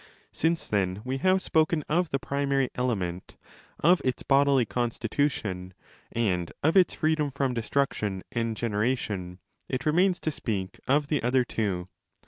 Since, then, we have spoken of the primary element, of its bodily constitution, and of its freedom from destruction and generation, it remains to speak of the other two.